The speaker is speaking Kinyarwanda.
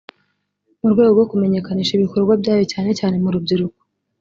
mu rwego rwo kumenyekanisha ibikorwa byayo cyane cyane mu rubyiruko